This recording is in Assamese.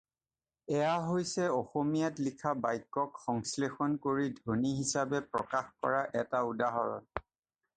এয়া হৈছে-অসমীয়াত লিখা বাক্যক সংশ্লেষণ কৰি ধ্বনি হিচাপে প্ৰকাশ কৰা এটা উদাহৰণ।